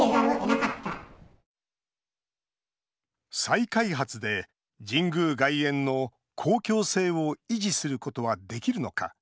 再開発で神宮外苑の公共性を維持することはできるのか。